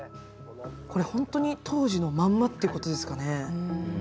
本当に当時のまんまってことですかね。